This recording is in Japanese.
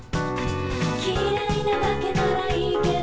「きれいなだけならいいけど」